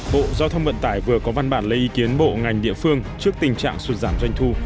bộ giao thông vận tải vừa có văn bản lấy ý kiến bộ ngành địa phương trước tình trạng sụt giảm doanh thu